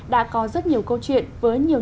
đã có rất nhiều câu chuyện với nhiều